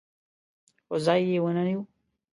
خو ځای یې ونه نیو